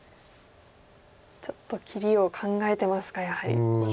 ちょっと切りを考えてますかやはり。